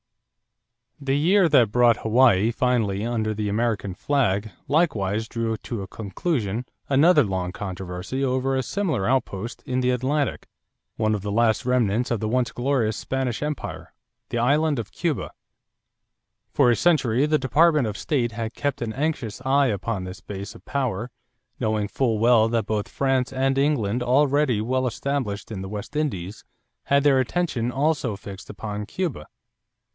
= The year that brought Hawaii finally under the American flag likewise drew to a conclusion another long controversy over a similar outpost in the Atlantic, one of the last remnants of the once glorious Spanish empire the island of Cuba. For a century the Department of State had kept an anxious eye upon this base of power, knowing full well that both France and England, already well established in the West Indies, had their attention also fixed upon Cuba.